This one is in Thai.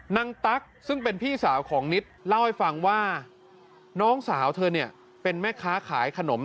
ตั๊กซึ่งเป็นพี่สาวของนิดเล่าให้ฟังว่าน้องสาวเธอเนี่ยเป็นแม่ค้าขายขนม